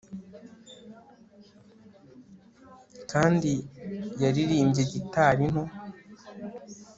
kandi yaririmbye gitari nto